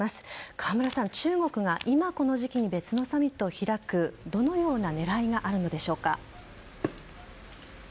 河村さん、中国が今この時期に別のサミットを開くどのような狙いがあるのでしょうか。